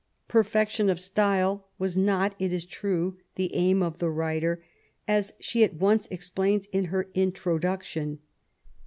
Perfection of style was not, it is true, the aim of the writer, as she at once explains in her Introduction.